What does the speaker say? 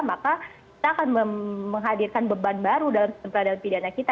maka kita akan menghadirkan beban baru dalam sistem peradilan pidana kita